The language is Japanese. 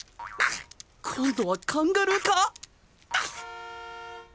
今度はカンガルー化！？